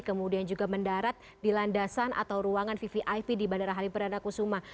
kemudian juga mendarat di landasan atau ruangan vvip di bandara halipur dan nakusuma